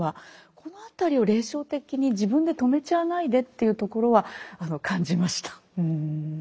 この辺りを冷笑的に自分で止めちゃわないでというところは感じました。